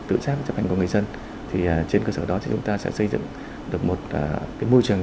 các cơ quan tổ chức cá nhân có người dân thì trên cơ sở đó thì chúng ta sẽ xây dựng được một cái môi trường